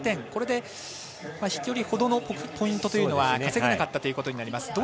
これで、飛距離ほどのポイントというのは稼げなかったということになります。